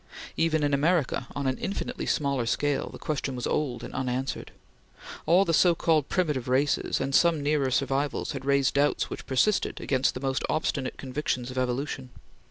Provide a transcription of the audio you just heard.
Even in America, on an infinitely smaller scale, the question was old and unanswered. All the so called primitive races, and some nearer survivals, had raised doubts which persisted against the most obstinate convictions of evolution.